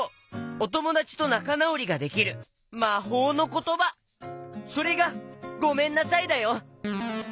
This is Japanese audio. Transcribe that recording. おともだちとなかなおりができるまほうのことばそれが「ごめんなさい」だよ！